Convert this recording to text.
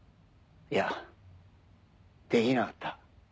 いやできなかった。